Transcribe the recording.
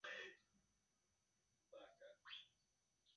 是痛苦之呻吟？